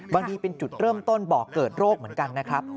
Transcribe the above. บางทีเป็นจุดเริ่มต้นบอกเกิดโรคเหมือนกันนะครับ